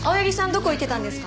どこ行ってたんですか？